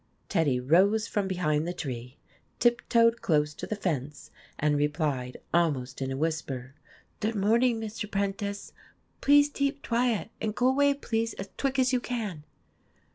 Teddy rose from behind the tree, tip toed close to the fence, and replied almost in a whisper, " Dood morning, Mr. Prentice. Please teep twiet, and go away, please, as twick as you can